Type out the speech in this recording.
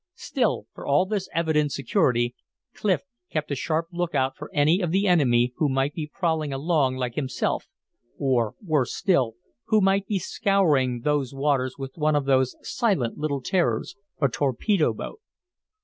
Still, for all this evident security, Clif kept a sharp lookout for any of the enemy who might be prowling along like himself, or, worse still, who might be scouring those waters with one of those silent little terrors, a torpedo boat.